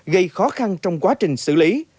gây khó khăn trong quá trình xử lý